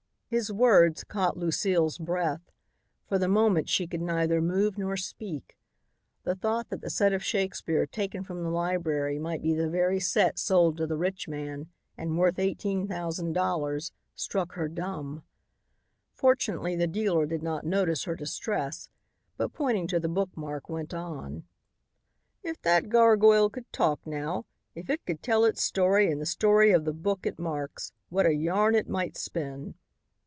His words caught Lucile's breath. For the moment she could neither move nor speak. The thought that the set of Shakespeare taken from the library might be the very set sold to the rich man, and worth eighteen thousand dollars, struck her dumb. Fortunately the dealer did not notice her distress but pointing to the bookmark went on: "If that gargoyle could talk now, if it could tell its story and the story of the book it marks, what a yarn it might spin.